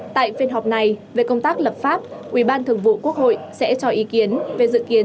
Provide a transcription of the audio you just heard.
tại phiên họp này về công tác lập pháp ủy ban thường vụ quốc hội sẽ cho ý kiến về dự kiến